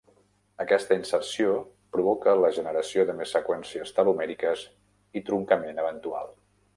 Aquesta inserció provoca la generació de més seqüències telomèriques i truncament eventual.